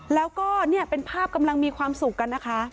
แล้วก็เนี่ยเป็นภาพกำลังมีความสุขกันนะคะ